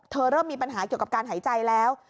เริ่มมีปัญหาเกี่ยวกับการหายใจแล้ว